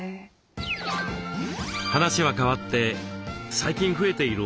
話は変わって最近増えている